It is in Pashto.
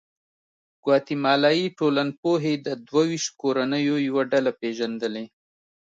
ګواتیمالایي ټولنپوهې د دوه ویشت کورنیو یوه ډله پېژندلې.